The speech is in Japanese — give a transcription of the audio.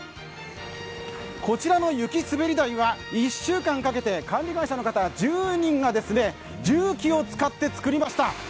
こちらの雪滑り台は１週間かけて管理会社の方１０人が重機を使って造りました。